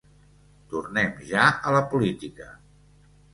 Tornem ja a la política.